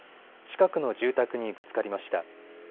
近くの住宅にぶつかりました。